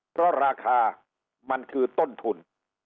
เพราะราคามันคือต้นทุน